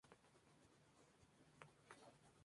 La isla tiene una plantación de cocos y muchos arroyos.